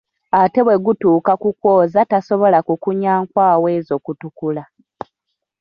Ate bwe gutuuka mu kwoza tasobola kukunya nkwawa ezo kutukula.